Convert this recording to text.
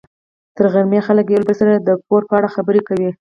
تر غرمې خلک له یو بل سره د پور په اړه خبرې کوي.